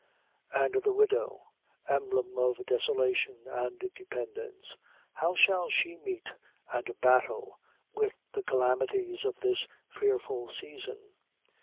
And the widow emblem of desolation and dependence how shall she meet and battle with the calamities of this fearful season?